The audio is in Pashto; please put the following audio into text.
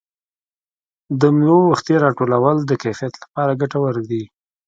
د مېوو وختي راټولول د کیفیت لپاره ګټور دي.